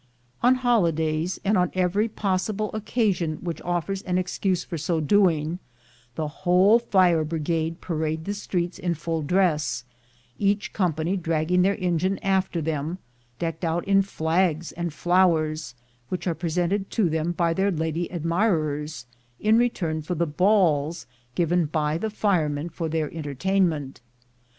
On holidays, and on every possible occasion which offers an excuse for so doing, the whole fire brigade parade the streets in full dress, each company dragging their engine after them, decked out in flags and flowers, which are presented to them by their lady admirers, in return for the balls given by the firemen for their entertainment.